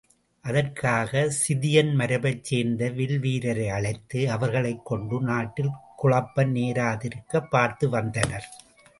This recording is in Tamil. அதற்காகச் சிதியன் மரபைச் சேர்ந்த வில் வீரரை அழைத்து, அவர்களைக்கொண்டு நாட்டில் குழப்பம் நேராதிருக்கப் பார்த்து வந்தனர்.